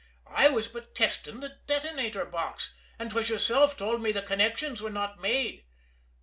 I was but testing the detonator box, and 'twas yourself told me the connections were not made."